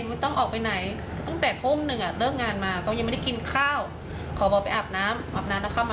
ไม่ต้องออกเขาก็นั่งนี่จ้าเอามีดคู่แล้ว